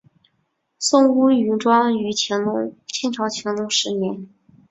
松坞云庄建于清朝乾隆十年。